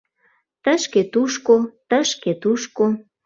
Тышке-тушко, тышке-тушко...